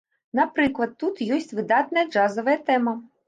Напрыклад, тут ёсць выдатная джазавая тэма.